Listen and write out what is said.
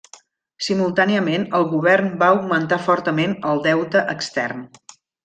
Simultàniament el govern va augmentar fortament el deute extern.